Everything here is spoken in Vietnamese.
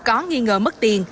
có nghi ngờ mất tiền